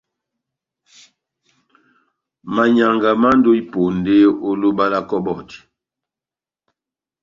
Manyianga mandi ó iponde ó loba lá kɔbɔti.